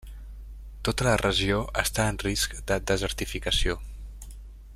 Tota la regió està en risc de desertificació.